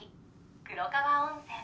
黒川温泉